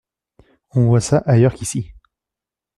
On voit ça ailleurs qu'ici.